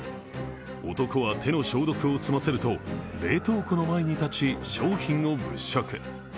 男は手の消毒を済ませると冷凍庫の前に立ち商品を物色。